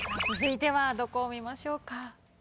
続いてはどこを見ましょうか。